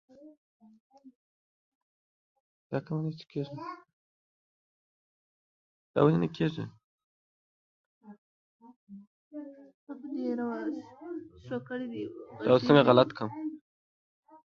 په کتلو سره انسان ذهناً پیاوړی کېږي